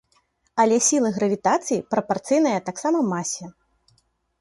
Але сіла гравітацыі прапарцыйная таксама масе.